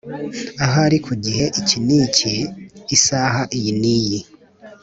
ahari ku gihe iki niki isaha iyiniyi